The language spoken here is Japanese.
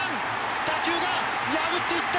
打球が破っていった！